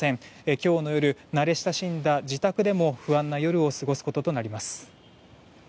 今日の夜、慣れ親しんだ自宅でも不安な夜を過ごすこととなります。